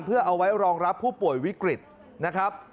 เพื่อเอาไว้รองรับผู้ป่วยวิกฤตนะครับ